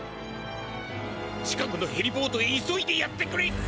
近くのヘリポートへ急いでやってくれ！